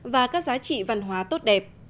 và các giá trị văn hóa tốt đẹp